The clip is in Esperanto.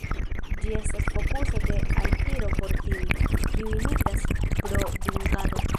Ĝi estas fokuso de altiro por tiuj, kiuj migras pro dungado.